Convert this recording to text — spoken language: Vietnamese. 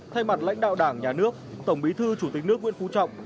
thay mặt lãnh đạo đảng nhà nước tổng bí thư chủ tịch nước nguyễn phú trọng